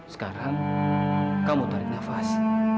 sekarang kamu tarik nafas